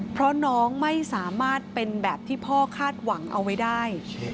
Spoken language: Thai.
เพราะน้องไม่สามารถเป็นแบบที่พ่อคาดหวังเอาไว้ได้